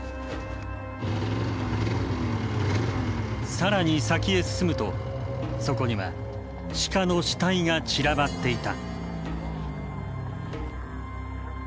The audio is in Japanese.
更に先へ進むとそこにはシカの死体が散らばっていた。